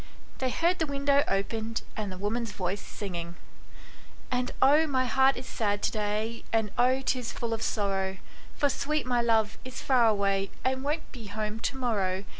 They heard the window opened and the woman's voice singing :" And oh, my heart is sad to day, And oh, 'tis full of sorrow, For sweet my love is far away, And won't be home to morrow.